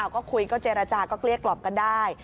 ก็คุยก็เจรจาก็เกลี้ยกล่อมกันได้